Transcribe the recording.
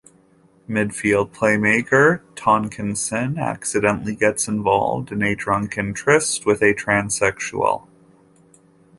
Midfield playmaker Tonkinson accidentally gets involved in a drunken tryst with a transsexual.